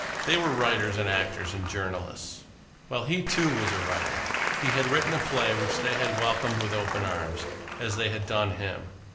They were writers and actors and journalists. Well, he too was a writer. He had written a play which they had welcomed with open arms, as they had done him.